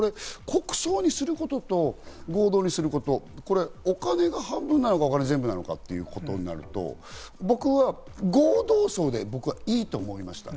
国葬にすることと合同葬にすること、お金が半分なのか、全部なのかということになると、僕は合同葬でいいと思いました、